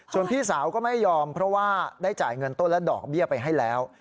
ส่วนพี่สาวก็ไม่ยอมเพราะว่าได้จ่ายเงินต้นและดอกเบี้ยไปให้แล้ว